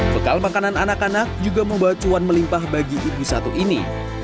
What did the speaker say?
bekal makanan anak anak juga membawa cuan melimpah bagi ibu satu ini